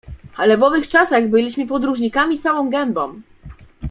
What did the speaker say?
"Ale w owych czasach byliśmy podróżnikami całą gębą!"